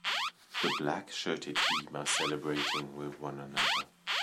The black shirted team are celebrating with one another.